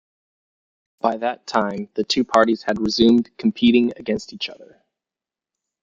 By that time, the two parties had resumed competing against each other.